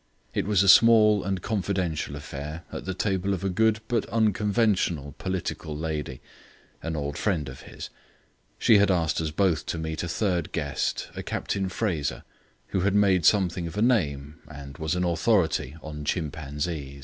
It was a small and confidential affair at the table of a good but unconventional political lady, an old friend of his. She had asked us both to meet a third guest, a Captain Fraser, who had made something of a name and was an authority on chimpanzees.